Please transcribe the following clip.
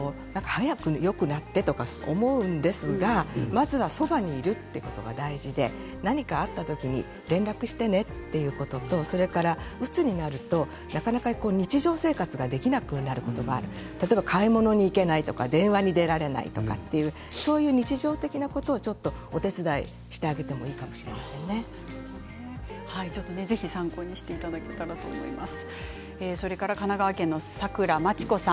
早くよくなってとか思うんですが、まずはそばにいるということが大事で何かあった時に連絡してねということとそれから、うつになるとなかなか日常生活ができなくなることがある例えば、買い物に行けない電話に出られないとかそういう日常的なことをちょっとお手伝いしてあげてもぜひ参考にしていただけたらと思います。